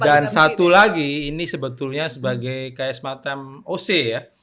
dan satu lagi ini sebetulnya sebagai ks matem oc ya